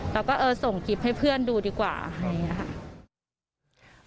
แล้วก็ส่งคลิปให้เพื่อนดูดีกว่าแบบนี้นะครับ